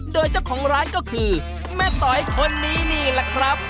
โดยเจ้าของร้านก็คือแม่ต๋อยคนนี้นี่แหละครับ